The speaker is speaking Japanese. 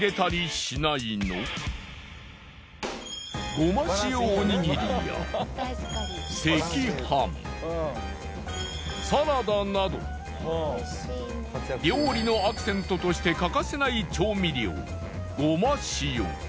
ごま塩おにぎりや赤飯サラダなど料理のアクセントとして欠かせない調味料ごま塩。